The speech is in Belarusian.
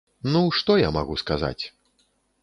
Ну, што я магу сказаць?!